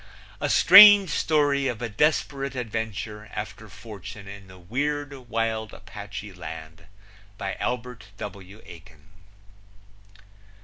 A strange story of a desperate adventure after fortune in the weird, wild Apache land. By Albert W. Aiken.